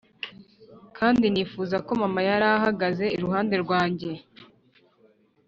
kandi nifuza ko mama yari ahagaze iruhande rwanjye,